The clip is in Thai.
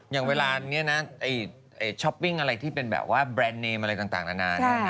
อย่างเวลานี้นะช้อปปิ้งอะไรที่เป็นแบบว่าแบรนด์เนมอะไรต่างนานา